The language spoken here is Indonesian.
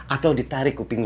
atau ditarik kupingnya